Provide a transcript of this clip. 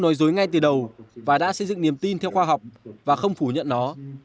nói dối ngay từ đầu và đã xây dựng niềm tin theo khoa học và không phủ nhận nó